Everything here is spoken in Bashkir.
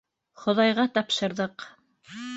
Хоҙайға тапшырҙыҡ!